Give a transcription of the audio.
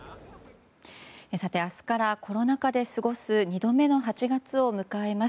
明日からコロナ禍で過ごす２度目の８月を迎えます。